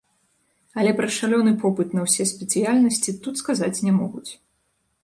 Але пра шалёны попыт на ўсе спецыяльнасці тут сказаць не могуць.